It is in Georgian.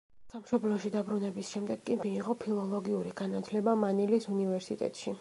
სამშობლოში დაბრუნების შემდეგ კი მიიღო ფილოლოგიური განათლება მანილის უნივერსიტეტში.